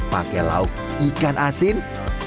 pakai lauk ikan asin